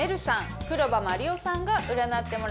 黒羽麻璃央さんが占ってもらったそうです。